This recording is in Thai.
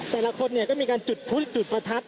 แต่ละคนก็มีการจุดพลุจุดประทัด